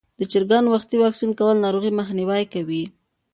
د چرګانو وختي واکسین کول ناروغۍ مخنیوی کوي.